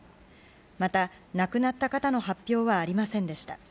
また亡くなった方の発表はありませんでした。